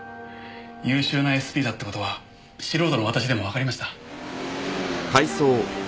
優秀なＳＰだって事は素人の私でもわかりました。